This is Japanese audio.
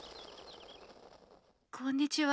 こんにちは。